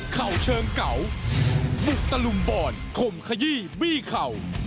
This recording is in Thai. เข่าเชิงเก่าบุกตะลุมบอลข่มขยี้บี้เข่า